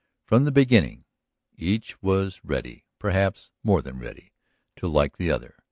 From the beginning each was ready, perhaps more than ready, to like the other.